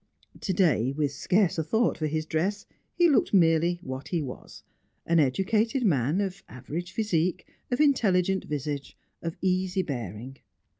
To day, with scarce a thought for his dress, he looked merely what he was: an educated man, of average physique, of intelligent visage, of easy bearing.